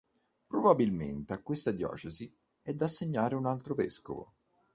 Probabilmente a questa diocesi è da assegnare un altro vescovo.